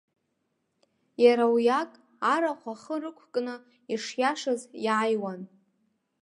Иара уиак, арахә ахы рықәкны, ишиашаз иааиуан.